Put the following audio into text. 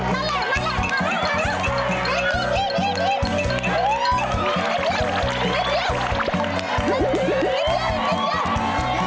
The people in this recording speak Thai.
มีเตี๋ยวยังมีเวลา